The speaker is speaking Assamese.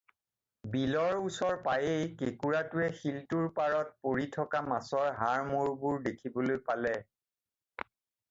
বিলৰ ওচৰ পায়েই কেঁকোৰাটোৱে শিলটোৰ পাৰত পৰি থকা মাছৰ হাড়-মূৰবােৰ দেখিবলৈ পালে।